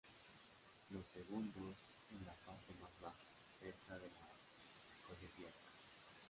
Los segundos en la parte más baja, cerca de la Colegiata.